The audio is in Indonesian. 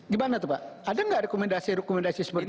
gimana tuh pak ada nggak rekomendasi rekomendasi seperti itu